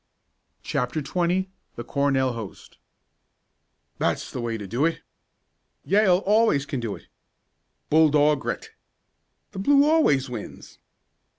CHAPTER XX THE CORNELL HOST "That's the way to do it!" "Yale always can do it!" "Bull dog grit!" "The blue always wins!"